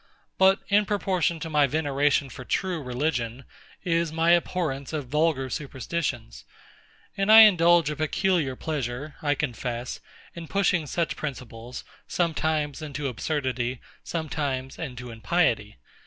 But in proportion to my veneration for true religion, is my abhorrence of vulgar superstitions; and I indulge a peculiar pleasure, I confess, in pushing such principles, sometimes into absurdity, sometimes into impiety.